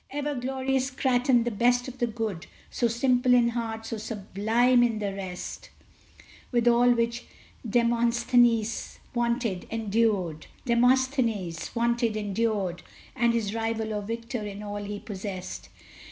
Ever glorious Grattan! the best of the good! So simple in heart, so sublime in the rest! With all which Demosthenes wanted, endued, And his rival or victor in all he possessed.